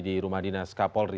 di rumah dinas kapolri